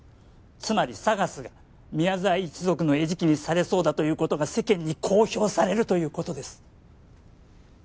つまりＳＡＧＡＳが宮沢一族の餌食にされそうだということが世間に公表されるということです